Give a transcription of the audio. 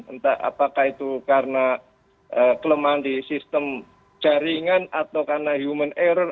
entah apakah itu karena kelemahan di sistem jaringan atau karena human error